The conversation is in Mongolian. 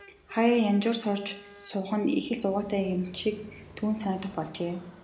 Хааяа янжуур сорж суух нь их л зугаатай юм шиг түүнд санагдах болжээ.